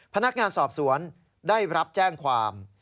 พนักงานสอบสวนได้รับแจ้งความ